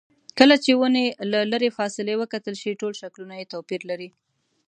کله چې ونې له لرې فاصلې وکتل شي ټول شکلونه یې توپیر لري.